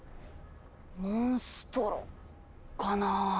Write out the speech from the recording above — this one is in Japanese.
モンストロかなぁ？